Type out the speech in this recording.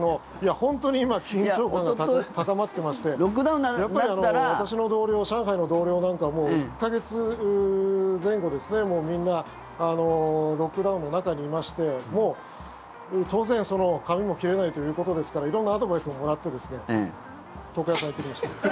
本当に今緊張感が高まってまして私の上海の同僚なんかも１か月前後、もうみんなロックダウンの中にいましてもう当然髪も切れないということですから色んなアドバイスをもらって床屋さん行ってきました。